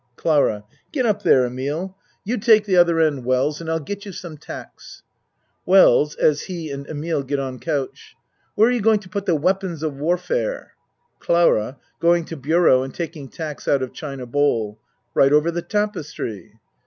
CLARA Get up there, Emile. You take the oth 58 A MAN'S WORLD er end, Wells, and I'll get you some tacks. WELLS (As he and Emile get on couch.) Where are you going to put the weapons of war fare? CLARA (Going to bureau and taking tacks out of china bowl.) Right over the tapestry.